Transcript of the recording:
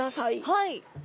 はい。